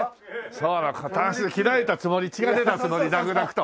そうたんすを開いたつもり血が出たつもりだくだくと。